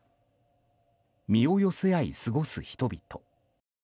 身を寄せ合い過ごす人々。